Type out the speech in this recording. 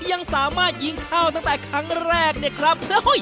ยังสามารถยิงข้าวตั้งแต่ครั้งแรก